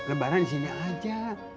lebaran di sini aja